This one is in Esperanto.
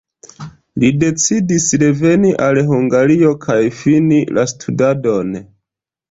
Li decidis reveni al Hungario kaj fini la studadon.